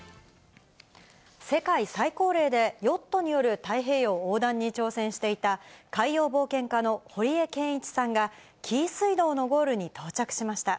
世界最高齢で、ヨットによる太平洋横断に挑戦していた、海洋冒険家の堀江謙一さんが、紀伊水道のゴールに到着しました。